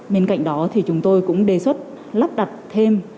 bên cạnh đó thì chúng tôi cũng đề xuất lắp đặt thêm